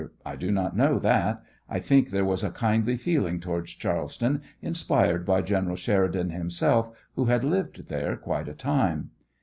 I do not know that; I think there was a kindly feeling towards Charleston, inspired by General Sher man himself, who had lived there quite a time.